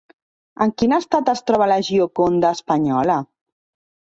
En quin estat es troba La Gioconda espanyola?